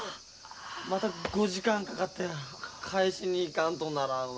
また５時間かかって返しに行かんとならんわ。